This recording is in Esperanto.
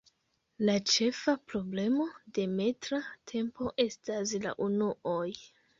La ĉefa problemo de metra tempo estas la unuoj.